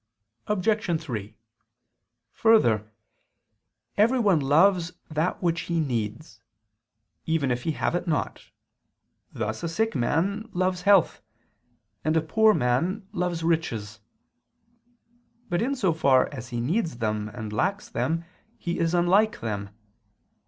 Obj. 3: Further, everyone loves that which he needs, even if he have it not: thus a sick man loves health, and a poor man loves riches. But in so far as he needs them and lacks them, he is unlike them.